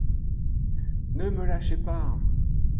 Ne me lâchez pas.